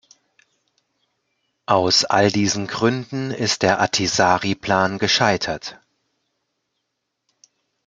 Aus all diesen Gründen ist der Athisaari-Plan gescheitert.